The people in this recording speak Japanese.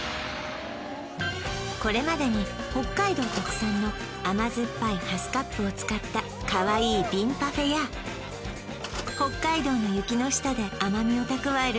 これまでに北海道特産の甘酸っぱいハスカップを使ったかわいい瓶パフェや北海道の雪の下で甘味を蓄える